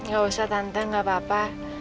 gak usah tantang gak apa apa